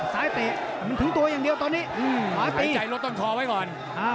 ซ้ายเตะมันถึงตัวอย่างเดียวตอนนี้หายใจลดต้นคอไว้ก่อน